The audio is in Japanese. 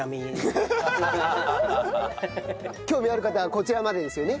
「興味ある方はこちらまで」ですよね。